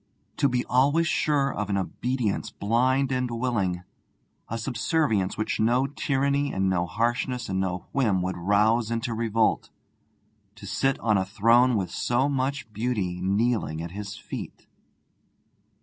To be always sure of an obedience blind and willing, a subservience which no tyranny and no harshness and no whim would rouse into revolt; to sit on a throne with so much beauty kneeling at his feet!